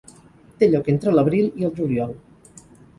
Té lloc entre l'abril i el juliol.